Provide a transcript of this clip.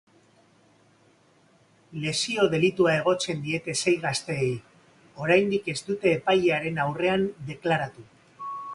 Lesio delitua egozten diete sei gazteei, oraindik ez dute epailearen aurrean deklaratu.